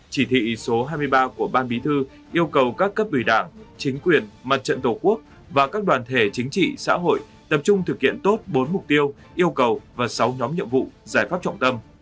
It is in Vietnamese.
chỉ thị số hai mươi ba của ban bí thư yêu cầu các cấp ủy đảng chính quyền mặt trận tổ quốc và các đoàn thể chính trị xã hội tập trung thực hiện tốt bốn mục tiêu yêu cầu và sáu nhóm nhiệm vụ giải pháp trọng tâm